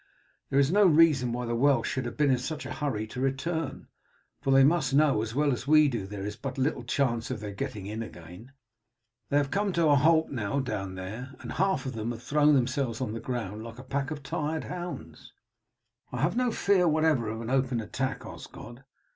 There is no reason why the Welsh should have been in such a hurry to return, for they must know as well as we do that there is but little chance of their getting in again. They have come to a halt now down there, and half of them have thrown themselves on the ground like a pack of tired hounds." "I have no fear whatever of an open attack, Osgod.